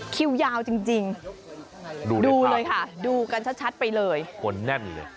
คิวยาวจริงดูเลยค่ะดูกันชัดไปเลยคนแน่นเลย